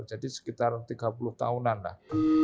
jadi sekitar tiga puluh tahunan lah